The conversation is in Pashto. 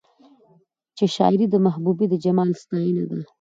چې شاعري د محبوبې د جمال ستاينه ده